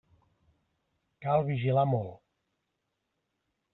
Cal vigilar molt.